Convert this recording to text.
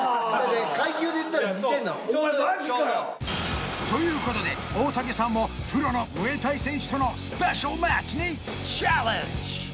階級でいったら似てんだもんマジかよ！ということで大竹さんもプロのムエタイ選手とのスペシャルマッチにチャレンジ！